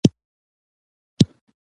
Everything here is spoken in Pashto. د کلي خلکو په ګډه کارونه کول.